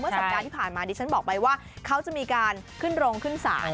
สัปดาห์ที่ผ่านมาดิฉันบอกไปว่าเขาจะมีการขึ้นโรงขึ้นศาล